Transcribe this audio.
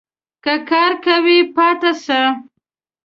که کار کوی ؟ پاته سئ